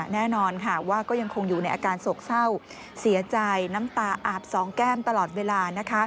แน่นอนค่ะว่าก็ยังคงอยู่ในอาการโศกเศร้าเสียใจน้ำตาอาบสองแก้มตลอดเวลา